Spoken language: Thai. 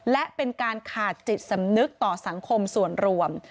และเป็นการขาดจิตสำนึกต่อสังคมส่วนรวม